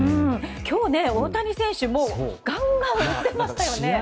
今日、大谷選手ガンガン打ってましたよね。